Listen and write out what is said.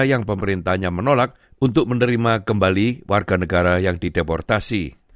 yang pemerintahnya menolak untuk menerima kembali warga negara yang dideportasi